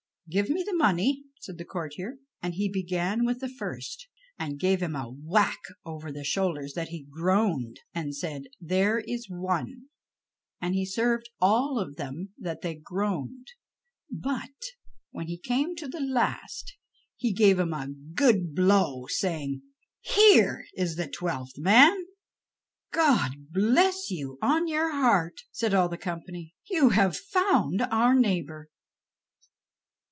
"Give me the money," said the courtier; and he began with the first, and gave him a whack over the shoulders that he groaned, and said, "There is one," and he served all of them that they groaned; but when he came to the last he gave him a good blow, saying, "Here is the twelfth man." "God bless you on your heart," said all the company; "you have found our neighbor."